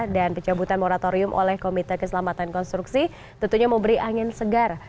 dan pecah butan moratorium oleh komite keselamatan konstruksi tentunya memberi angin segar